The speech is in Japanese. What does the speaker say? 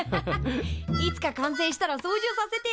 いつか完成したら操縦させてよ。